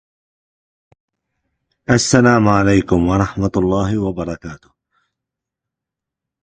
Coffee chose the name Desert Hot Springs because of the area's natural hot springs.